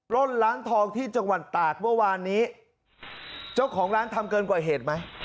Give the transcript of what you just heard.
ล่นร้านทองที่จังหวัดตากเมื่อวานนี้เจ้าของร้านทำเกินกว่าเหตุไหม